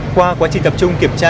qua quá trình tập trung kiểm tra